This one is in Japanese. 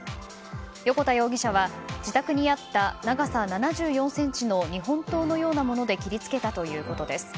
横田容疑者は自宅にあった長さ７４ｃｍの日本刀のようなもので切り付けたということです。